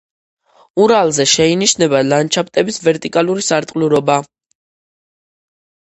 ურალზე შეინიშნება ლანდშაფტების ვერტიკალური სარტყლურობა.